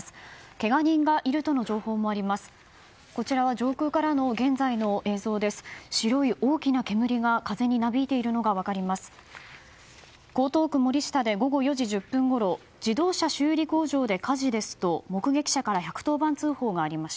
けが人がいるとの情報もあります。